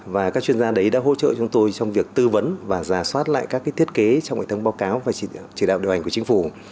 và các chuyên gia đấy đã hỗ trợ chúng tôi trong việc tư vấn và giả soát lại các thiết kế trong hệ thống báo cáo và chỉ đạo điều hành của chính phủ